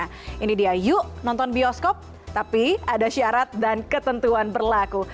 nah ini dia yuk nonton bioskop tapi ada syarat dan ketentuan berlaku